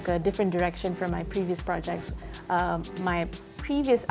kita memiliki arah yang berbeda dari proyek proyek sebelumnya